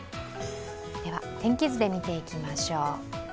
天気図で見ていきましょう。